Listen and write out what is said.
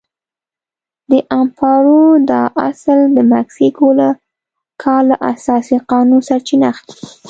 د امپارو دا اصل د مکسیکو له کال له اساسي قانون سرچینه اخلي.